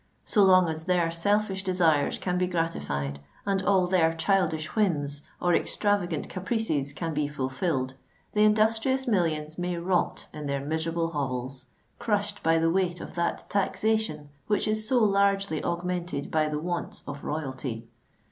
So long as their selfish desires can be gratified and all their childish whims or extravagant caprices can be fulfilled, the industrious millions may rot in their miserable hovels, crushed by the weight of that taxation which is so largely augmented by the wants of Royalty!